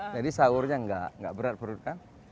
jadi saurnya enggak berat perut kan